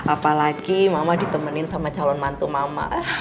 apalagi mama ditemenin sama calon mantu mama